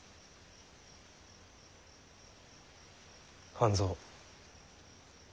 半蔵。